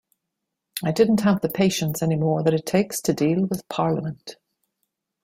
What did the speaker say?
I didn't have the patience any more that it takes to deal with Parliament.